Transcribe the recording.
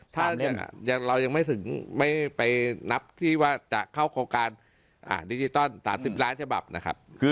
ถ้าเรายังไม่ไปนับที่ว่าจะเข้าโครงการดิจิตอล๓๐ล้านฉบับนะครับ